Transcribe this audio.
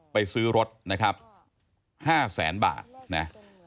ไปซื้อรถนะครับ๕แสนบาทนะ